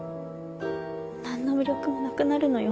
なんの魅力もなくなるのよ。